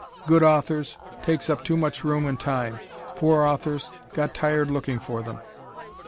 good authors takes up too much room and time; poor authors got tired looking for them.